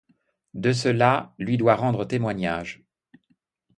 De cela, lui doit rendre témoignage.